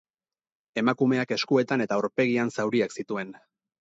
Emakumeak eskuetan eta aurpegian zauriak zituen.